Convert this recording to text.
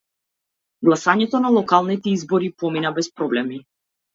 Гласањето на локалните избори помина без проблеми.